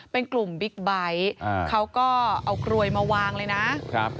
เป็นกลุ่มบิ๊กไบท์เขาก็เอากลวยมาวางเลยนะครับ